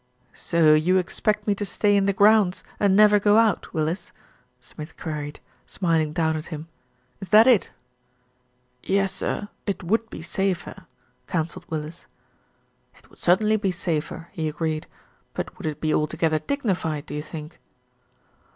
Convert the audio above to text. "So you expect me to stay in the grounds and never go out, Willis," Smith queried, smiling down at him. "Is that it?" "Yes, sir, it would be safer," counselled Willis. LITTLE BILSTEAD ACHES WITH DRAMA 289 "It would certainly be safer," he agreed, "but would it be altogether dignified, do you think?"